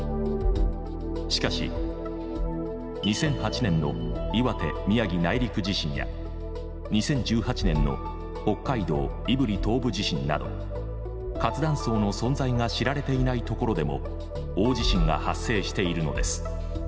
しかし２００８年の岩手・宮城内陸地震や２０１８年の北海道胆振東部地震など活断層の存在が知られていないところでも大地震が発生しているのです。